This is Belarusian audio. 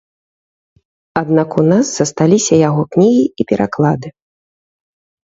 Аднак у нас засталіся яго кнігі і пераклады.